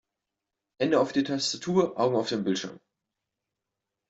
Hände auf die Tastatur, Augen auf den Bildschirm!